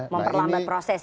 oke memperlambat proses ya